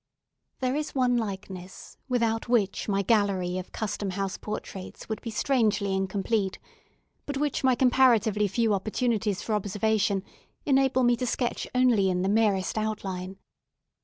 There is one likeness, without which my gallery of Custom House portraits would be strangely incomplete, but which my comparatively few opportunities for observation enable me to sketch only in the merest outline.